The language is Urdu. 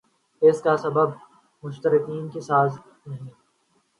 اس کا سبب مشترقین کی سازش نہیں